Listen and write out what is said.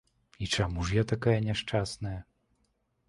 І чаму ж я такая няшчасная?